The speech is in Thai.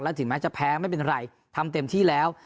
ถึงแม้จะแพ้ไม่เป็นไรทำเต็มที่แล้ว